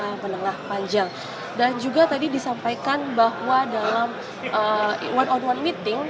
yang menengah panjang dan juga tadi disampaikan bahwa dalam one on one meeting